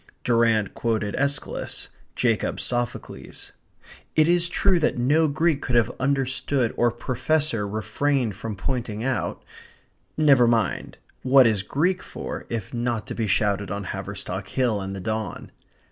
Durrant quoted Aeschylus Jacob Sophocles. It is true that no Greek could have understood or professor refrained from pointing out Never mind; what is Greek for if not to be shouted on Haverstock Hill in the dawn?